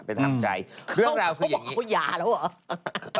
ไปทำใจเรื่องราวคืออย่างนี้เขาบอกว่าเขาหยาแล้วเหรอ